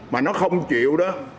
mà nó không chịu đó